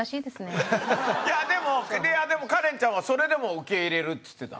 でもいやでもカレンちゃんは「それでも受け入れる」っつってた。